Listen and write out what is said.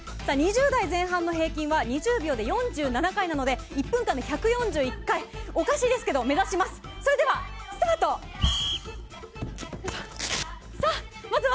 ２０代前半の平均は２０秒で４７回なので１分間で１４１回を目指したいと思います。